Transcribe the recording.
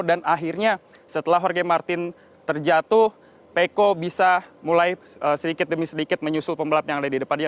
dan akhirnya setelah jorge martin terjatuh peko bisa mulai sedikit demi sedikit menyusul pembalap yang ada di depannya